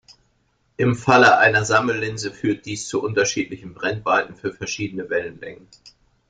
Im Falle einer Sammellinse führt dies zu unterschiedlichen Brennweiten für verschiedene Wellenlängen.